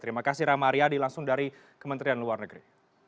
terima kasih rama aryadi langsung dari kementerian luar negeri